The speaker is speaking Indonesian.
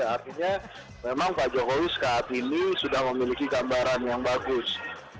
artinya memang pak jokowi saat ini sudah memiliki gambaran yang bagus